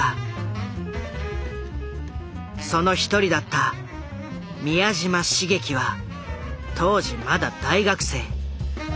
その一人だった宮嶋茂樹は当時まだ大学生。